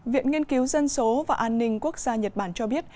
viện nghiên cứu dân số và an ninh quốc gia nhật bản cho biết